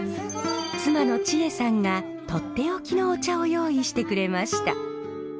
妻の智恵さんが取って置きのお茶を用意してくれました。